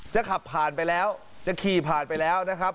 จะขับผ่านไปแล้วจะขี่ผ่านไปแล้วนะครับ